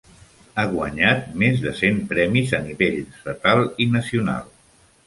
Ha guanyat més de cent premis a nivell estatal i nacional.